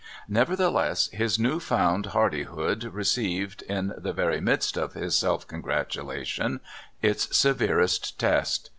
Nevertheless, his new found hardihood received, in the very midst of his self congratulation, its severest test.